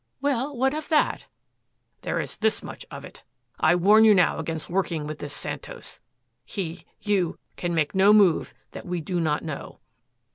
"Well, what of that?" "There is this much of it. I warn you now against working with this Santos. He you can make no move that we do not know."